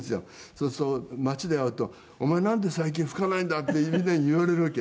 そうすると街で会うと「お前なんで最近吹かないんだ」ってみんなに言われるわけ。